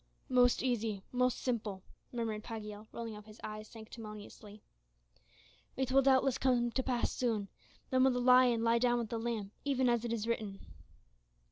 "Most easy most simple," murmured Pagiel, rolling up his eyes sanctimoniously. "It will doubtless soon come to pass; then will the lion lie down with the lamb, even as it is written."